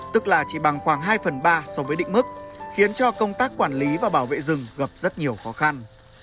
tức là chỉ bằng khoảng hai phần ba so với định mức khiến cho công tác quản lý và bảo vệ rừng gặp rất nhiều khó khăn